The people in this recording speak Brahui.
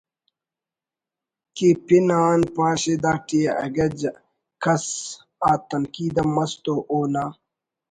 کہ پن آن پاش ءِ داٹی اگہ کس آ تنقید ہم مس تو او نا